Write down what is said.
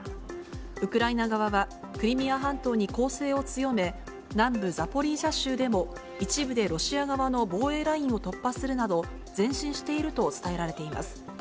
ウクライナ側は、クリミア半島に攻勢を強め、南部ザポリージャ州でも一部でロシア側の防衛ラインを突破するなど、前進していると伝えられています。